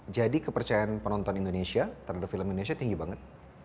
jadi kepercayaan penonton indonesia terhadap film indonesia tinggi banget